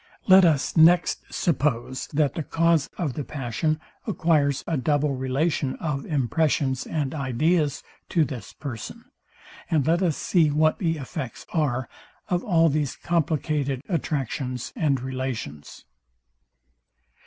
Let us next suppose, that the cause of the passion acquires a double relation of impressions and ideas to this person; and let us see what the effects are of all these complicated attractions and relations.